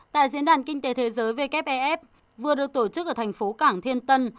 tại diễn đàn kinh tế thế giới wef vừa được tổ chức ở thành phố cảng thiên tân